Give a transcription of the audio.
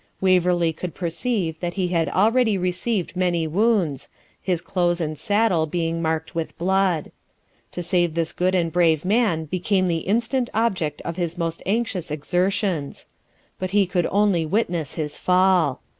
Waverley could perceive that he had already received many wounds, his clothes and saddle being marked with blood. To save this good and brave man became the instant object of his most anxious exertions. But he could only witness his fall.